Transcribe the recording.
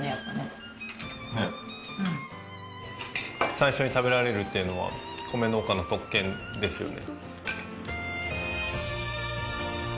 最初に食べられるっていうのは米農家の特権ですよね。